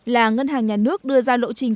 là ngân hàng nhà nước đưa ra lộ trình